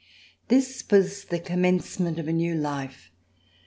THIS was the commencement of a new life.